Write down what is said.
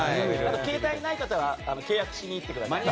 携帯がない方は契約しに行ってください。